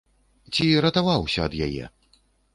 Ці ратаваўся ад яе?